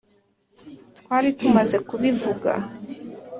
twari tumaze kubivuga.